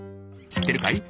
しってるかい？